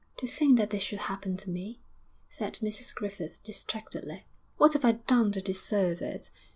'To think that this should happen to me!' said Mrs Griffith, distractedly. 'What have I done to deserve it?